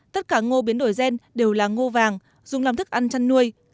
tất cả ngô biến đổi gen đều là ngô vàng dùng làm thức ăn chăn nuôi